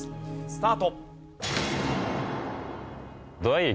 スタート。